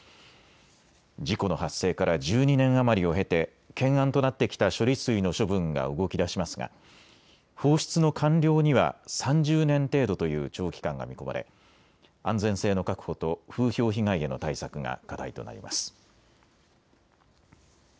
事故の発生から１２年余りを経て懸案となってきた処理水の処分が動き出しますが放出の完了には３０年程度という長期間が見込まれ安全性の確保と風評被害への対策が課題となります。